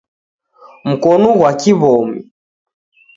Mkonu ghwa kiw'omi